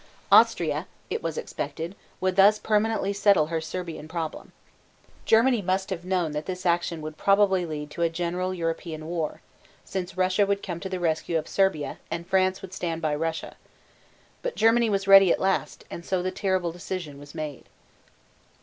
Austria, it was expected, would thus permanently settle her Serbian problem. Germany must have known that this action would probably lead to a general European war, since Russia would come to the rescue of Serbia and France would stand by Russia. But Germany was ready at last, and so the terrible decision was made.